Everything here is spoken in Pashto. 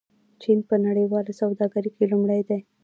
چین په نړیواله سوداګرۍ کې لومړی دی.